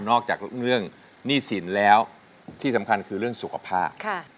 อกจากเรื่องหนี้สินแล้วที่สำคัญคือเรื่องสุขภาพ